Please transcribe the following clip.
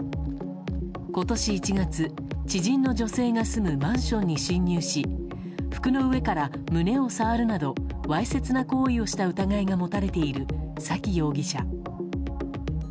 今年１月、知人の女性が住むマンションに侵入し服の上から胸を触るなどわいせつな行為をした疑いが持たれている崎容疑者。